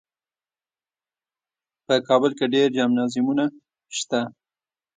په کابل کې ډېر جمنازیمونه شته.